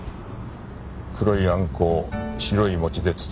黒いあんこを白い餅で包む。